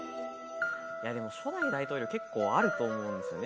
初代大統領、結構あると思うんですよね。